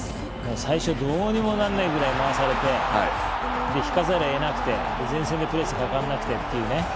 最初どうにもならないくらい回されて引かざるを得なくて、前線でプレーして上がらなくてという。